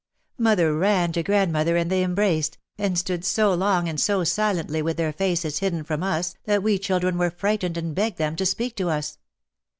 Mother ran to grandmother and they embraced, and stood so long and so silently with their faces hidden from us, that we children were frightened and begged them to speak to us.